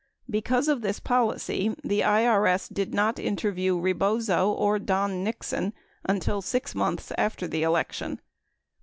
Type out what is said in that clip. Because of this policy, the IRS did not interview Rebozo or Don Nixon until 6 months after the election.